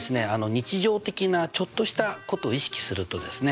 日常的なちょっとしたことを意識するとですね